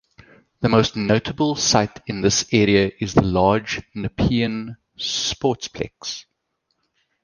The most notable site in this area is the large Nepean Sportsplex.